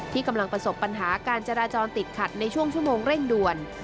กำลังประสบปัญหาการจราจรติดขัดในช่วงชั่วโมงเร่งด่วน